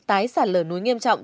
tái sạt lở núi nghiêm trọng